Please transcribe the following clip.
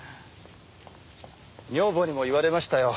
女房にも言われましたよ。